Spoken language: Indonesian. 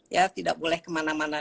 ya tidak boleh kemana mana